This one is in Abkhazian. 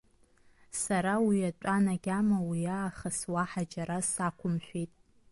Сара уи атәан агьама уи аахыс уаҳа џьара сақәымшәеит.